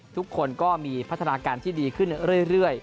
ทุกคนก็มีพัฒนาการที่ดีขึ้นเรื่อย